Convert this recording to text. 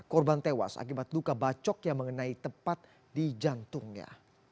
korban tewas akibat luka bacok yang mengenai tepat di jantungnya